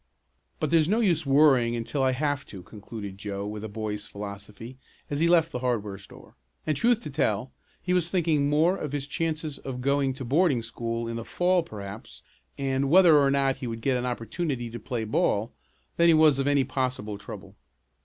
"But there's no use worrying until I have to," concluded Joe with a boy's philosophy as he left the hardware store, and truth to tell, he was thinking more of his chances of going to boarding school in the fall perhaps, and whether or not he would get an opportunity to play ball, than he was of any possible trouble.